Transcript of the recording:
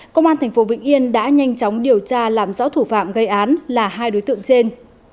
công an tp vĩnh yên đã nhanh chóng điều tra làm rõ thủ phạm gây án là hai đối tượng trên